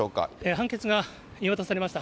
判決が言い渡されました。